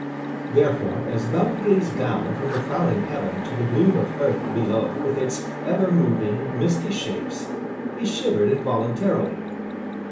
Therefore, as Bellew gazed down from the frowning Heaven to the gloom of Earth, below, with its ever moving, misty shapes, he shivered involuntarily.